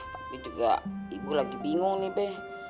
tapi juga ibu lagi bingung nih be